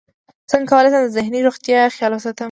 څنګه کولی شم د ذهني روغتیا خیال وساتم